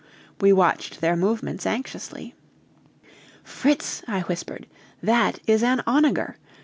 We watched their movements anxiously. "Fritz," I whispered, "that is an onager.